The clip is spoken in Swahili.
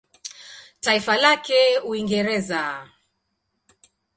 Taifa lake Uingereza.